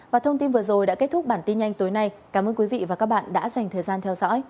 và thông tin vừa rồi đã kết thúc bản tin nhanh tối nay cảm ơn quý vị và các bạn đã dành thời gian theo dõi